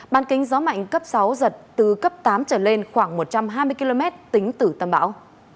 ban kính gió mạnh cấp sáu giật từ cấp tám trở lên khoảng một trăm hai mươi km tính từ tâm bão